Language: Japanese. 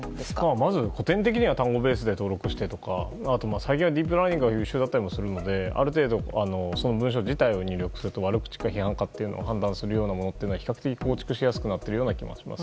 まず古典的には単語ベースで登録して最近はディープラーニングが優秀なのである程度その文書自体を入力すると悪口か批判かというのは判断するのは比較的構築しやすくなっていると思います。